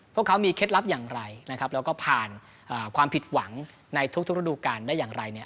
พวกเขามีเคล็ดลับอย่างไรนะครับแล้วก็ผ่านความผิดหวังในทุกระดูการได้อย่างไรเนี่ย